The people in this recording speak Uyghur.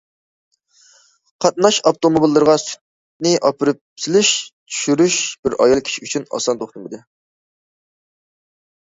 قاتناش ئاپتوموبىللىرىغا سۈتنى ئاپىرىپ سېلىش، چۈشۈرۈش بىر ئايال كىشى ئۈچۈن ئاسان توختىمىدى.